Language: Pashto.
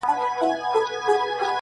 ستا پېغلي کابله په جهان کي در په دري دي,